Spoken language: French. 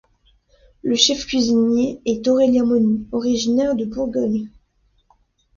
Le chef cuisinier est Aurélien Mauny, originaire de Bourgogne.